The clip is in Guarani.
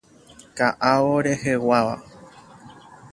Ka'avo reheguáva.